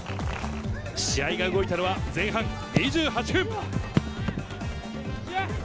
試合が動いたのは前半２８分。